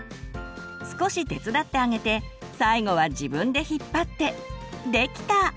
少し手伝ってあげて最後は自分で引っ張ってできた！